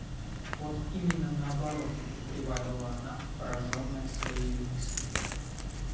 Вот именно наоборот, — прибавила она, пораженная своею мыслью.